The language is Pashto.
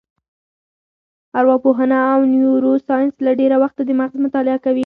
ارواپوهنه او نیورو ساینس له ډېره وخته د مغز مطالعه کوي.